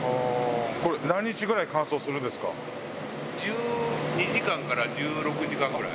これ、何日ぐらい乾燥するん１２時間から１６時間ぐらい。